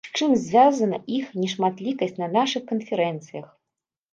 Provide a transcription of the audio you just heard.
З чым звязана іх нешматлікасць на нашых канферэнцыях?